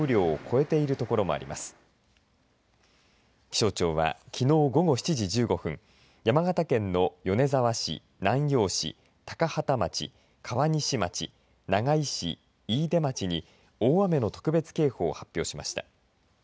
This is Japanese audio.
気象庁は、きのう午後７時１５分山形県の米沢市南陽市、高畠町川西町、長井市飯豊町に大雨の特別警報を発表しました。